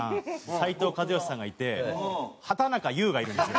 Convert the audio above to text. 斉藤和義さんがいて畠中悠がいるんですよ。